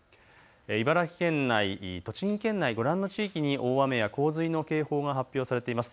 茨城県内、栃木県内、ご覧の地域に大雨や洪水の警報が発表されています。